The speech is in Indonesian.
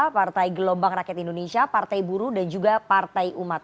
partai gelombang rakyat indonesia partai buruh dan juga partai umat